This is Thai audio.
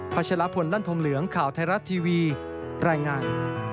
ชะลพลลั่นพรมเหลืองข่าวไทยรัฐทีวีรายงาน